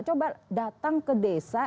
coba datang ke desa